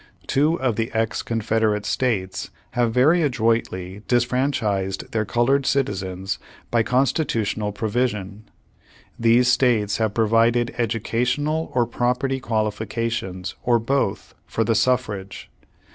Two of the ex Confederate States have very adroitly disfranchised their colored citizens by constitutional provision. These states have pro vided educational or property qualifications, or both, for the suffrage.